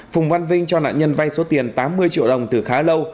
phùng văn vinh cho nạn nhân vay số tiền tám mươi triệu đồng từ khá lâu